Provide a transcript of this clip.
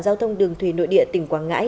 giao thông đường thủy nội địa tỉnh quảng ngãi